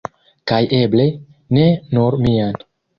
Kaj eble, ne nur mian.